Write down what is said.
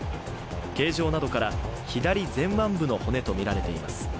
形状などから左前腕部の骨とみられています。